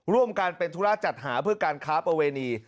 ร่วมกันเป็นธุระจัดหาเพื่อการค้าประเวณี